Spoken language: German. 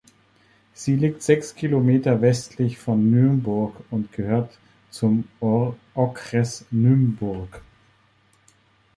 Sie liegt sechs Kilometer westlich von Nymburk und gehört zum Okres Nymburk.